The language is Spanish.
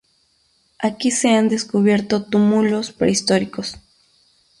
Aquí se han descubierto túmulos prehistóricos.